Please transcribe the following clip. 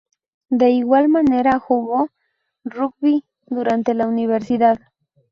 De igual manera, jugó rugby durante la universidad.